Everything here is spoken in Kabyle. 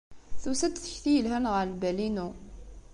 Tusa-d tekti yelhan ɣer lbal-inu.